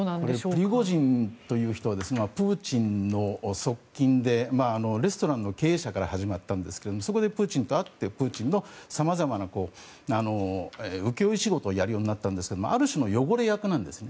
プリゴジンという人はプーチンの側近でレストランの経営者から始まったんですけどそこでプーチンと会ってプーチンのさまざまな請負仕事をやるようになったんですけどある種の汚れ役なんです。